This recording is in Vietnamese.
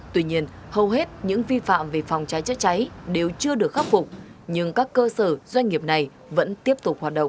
tuy nhiên hầu hết những vi phạm về phòng cháy chữa cháy đều chưa được khắc phục nhưng các cơ sở doanh nghiệp này vẫn tiếp tục hoạt động